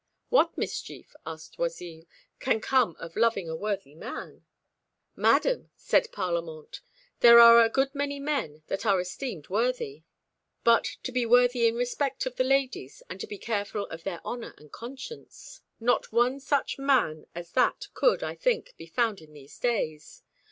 "What mischief," asked Oisille, "can come of loving a worthy man?" "Madam," said Parlamente, "there are a good many men that are esteemed worthy, but to be worthy in respect of the ladies, and to be careful for their honour and conscience not one such man as that could, I think, be found in these days.